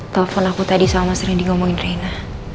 telepon aku tadi sama sering digomongin reina